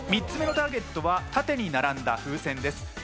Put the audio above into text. ３つ目のターゲットは縦に並んだ風船です。